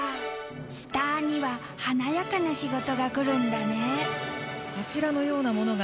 スターには華やかな仕事が来るんだね。